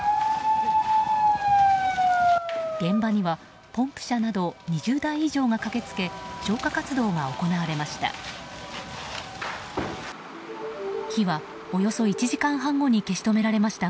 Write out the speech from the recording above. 現場にはポンプ車など２０台以上が駆けつけ消火活動が行われました。